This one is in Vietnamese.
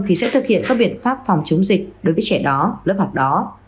thì sẽ thực hiện các biện pháp phòng chống dịch đối với trẻ đó lớp học đó